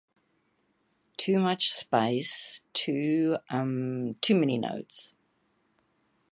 Too much spice, too, um... too many notes.